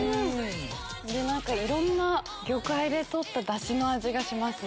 いろんな魚介で取ったダシの味がしますね。